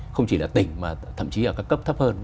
không chỉ là tỉnh mà thậm chí ở các cấp thấp hơn